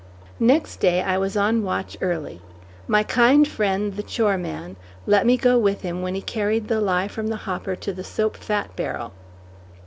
Next day I was on watch early. My kind friend, the choreman, let me go with him when he carried the lye from the hopper to the soap fat barrel.